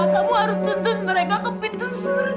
kamu harus tuntut mereka ke pintu surga